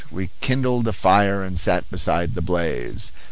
We kindled a fire and sat beside the blaze.